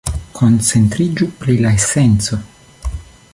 Koncentriĝu pri la esenco.